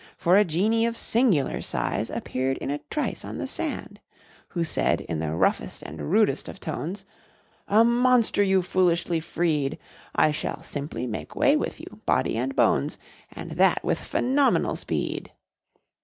For a genie of singular size Appeared in a trice on the sand, Who said in the roughest and rudest of tones: "A monster you've foolishly freed! I shall simply make way with you, body and bones, And that with phenomenal speed!"